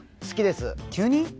好きです急に？